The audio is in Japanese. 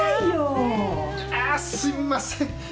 ああすみません。